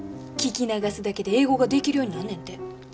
聞き流すだけで英語ができるようになんねんて。